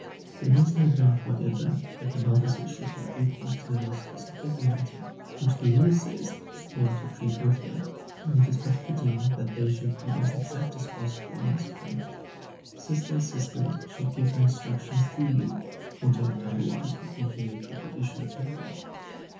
There is no doubt whatever that the novices should have recourse to their Mistress in every matter, which the Rule says they are to treat with her, and it is but fitting that they should be as exact as possible on this point. Sister Assistant should give her instructions through you: for to act otherwise would be very prejudicial to them.